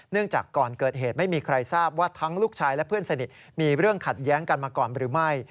จากก่อนเกิดเหตุไม่มีใครทราบว่าทั้งลูกชายและเพื่อนสนิทมีเรื่องขัดแย้งกันมาก่อนหรือไม่